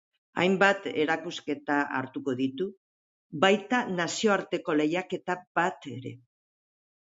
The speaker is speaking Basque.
Hainbat erakusketa hartuko ditu, baita nazioarteko lehiaketa bat ere.